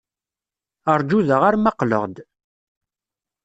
Ṛju da arma qqleɣ-d.